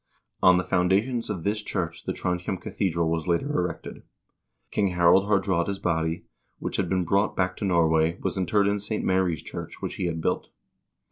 On the foundations of this church the Trondhjem cathedral was later erected. King Harald Haardraade's body, which had been brought back to Norway, was interred in the St. Mary's church, which he had built.